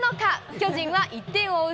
巨人は１点を追う